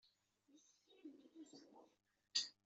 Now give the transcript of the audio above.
Yessefk ad nemdel tazewwut?